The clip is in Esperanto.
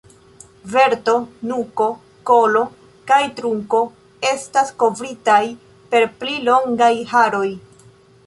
Verto, nuko, kolo kaj trunko estas kovritaj per pli longaj haroj.